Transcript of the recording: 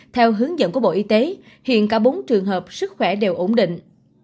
theo hướng dẫn của bộ y tế hiện cả bốn trường hợp sức khỏe đều ổn định